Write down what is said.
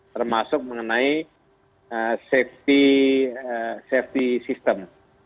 termasuk mengenai safety system